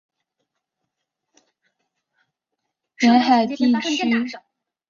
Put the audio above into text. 沿海地区的巴朗盖更容易与外国人进行贸易。